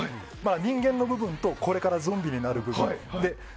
人間の部分とこれからゾンビになる部分。